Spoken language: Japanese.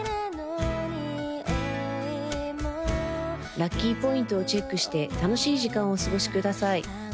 ラッキーポイントをチェックして楽しい時間をお過ごしください